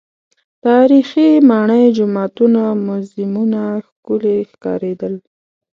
تاریخي ماڼۍ، جوماتونه، موزیمونه ښکلي ښکارېدل.